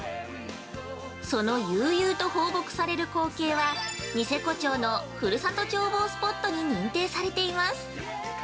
その悠々と放牧される光景はニセコ町の「ふるさと眺望スポット」に認定されています。